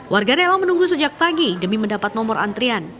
warga rela menunggu sejak pagi demi mendapat nomor antrian